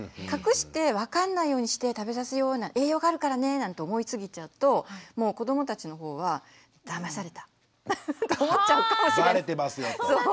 隠して分かんないようにして食べさせよう栄養があるからねなんて思いすぎちゃうと子どもたちの方はだまされたって思っちゃうかもしれない。